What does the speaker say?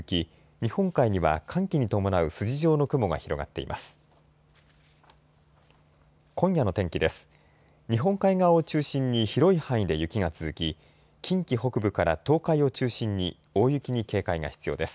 日本海側を中心に広い範囲で雪が続き近畿北部から東海を中心に大雪に警戒が必要です。